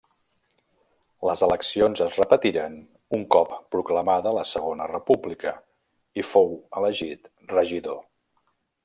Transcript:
Les eleccions es repetiren un cop proclamada la Segona República i fou elegit regidor.